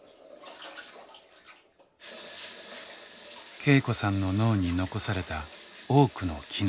恵子さんの脳に残された多くの機能。